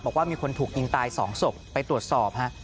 บอกว่ามีคนถูกยิงตาย๒ศพไปตรวจสอบฮะ